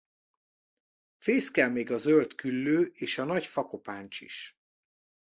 Fészkel még a zöld küllő és a nagy fakopáncs is.